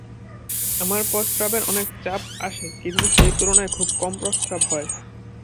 আমার প্রস্রাবের অনেক চাপ আসে কিন্তু সেই তুলনায় খুব কম প্রস্রাব হয়।